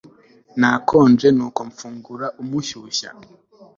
Nakonje nuko mfungura umushyushya